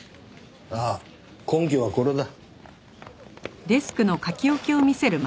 ああ根拠はこれだ。